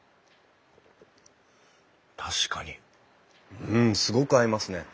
確かにうんすごく合いますね。